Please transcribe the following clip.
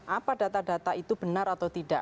apa data data itu benar atau tidak